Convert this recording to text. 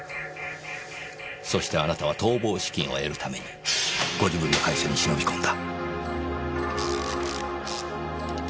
そしてあなたは逃亡資金を得るためにご自分の会社に忍び込んだ。